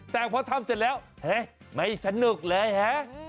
แต่พอทำเสร็จแล้วไม่สนุกเลยฮะ